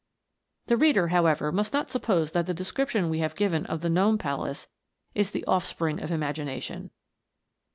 The reader, however, must not suppose that the description we have given of the Gnome Palace is the offspring of imagination.